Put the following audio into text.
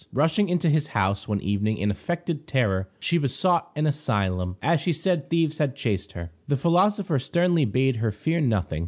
Rushing into his house one evening in affected terror, she besought an asylum, as she said thieves had chased her. The philosopher sternly bade her fear nothing.